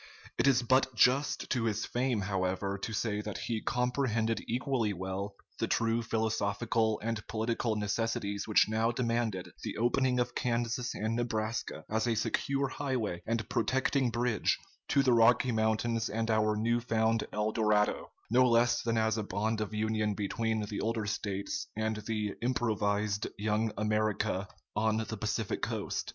It is but just to his fame, however, to say that he comprehended equally well the true philosophical and political necessities which now demanded the opening of Kansas and Nebraska as a secure highway and protecting bridge to the Rocky Mountains and our new found El Dorado, no less than as a bond of union between the older States and the improvised "Young America" on the Pacific coast.